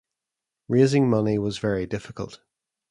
Raising money was very difficult.